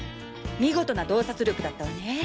見事な洞察力だったわね。